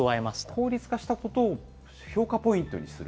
効率化したことを評価ポイントにする？